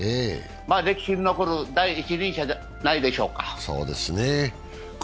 歴史に残る第一人者じゃないでしょうか。